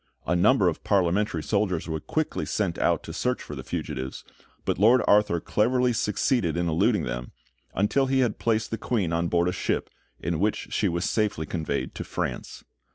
A number of Parliamentary soldiers were quickly sent out to search for the fugitives, but Lord Arthur cleverly succeeded in eluding them, until he had placed the Queen on board a ship, in which she was safely conveyed to France.